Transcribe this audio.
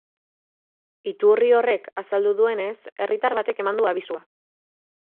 Iturri horrek azaldu duenez, herritar batek eman du abisua.